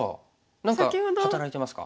何か働いてますか。